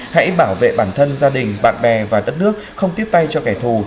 hãy bảo vệ bản thân gia đình bạn bè và đất nước không tiếp tay cho kẻ thù